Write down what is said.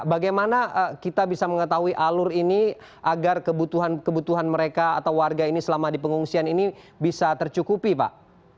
bagaimana kita bisa mengetahui alur ini agar kebutuhan mereka atau warga ini selama di pengungsian ini bisa tercukupi pak